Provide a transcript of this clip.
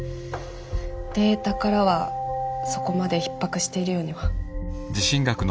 データからはそこまでひっ迫しているようには。